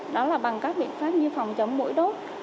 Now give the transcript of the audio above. đó là bằng các biện pháp như phòng chống mũi đốt